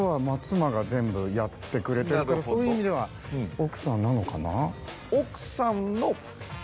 そういう意味では奥さんなのかな？